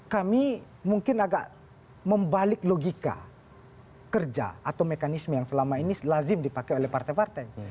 kami mungkin agak membalik logika kerja atau mekanisme yang selama ini lazim dipakai oleh partai partai